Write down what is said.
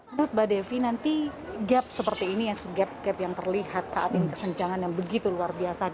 menurut mbak devi nanti gap seperti ini gap gap yang terlihat saat ini kesenjangan yang begitu tinggi apa yang bisa kita lakukan